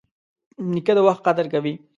نیکه د وخت قدر کوي.